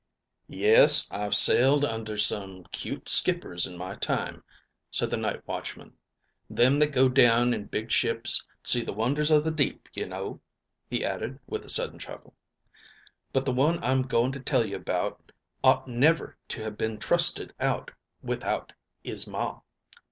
Copyright 1903 by Frederick A. Stokes Company. "Yes, I've sailed under some 'cute skippers in my time," said the night watchman; "them that go down in big ships see the wonders o' the deep, you know," he added with a sudden chuckle, "but the one I'm going to tell you about ought never to have been trusted out without 'is ma.